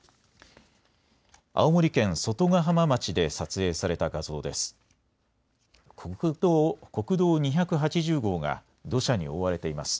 青森県外ヶ浜町で撮影された画像です。